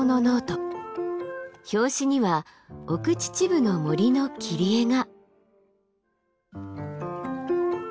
表紙には奥秩父の森の切り絵が。